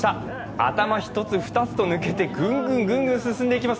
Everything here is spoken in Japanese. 頭一つ二つと抜けて、ぐんぐん進んでいきます。